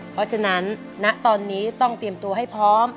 เพราะฉะนั้นณตอนนี้ต้องเตรียมตัวให้พร้อม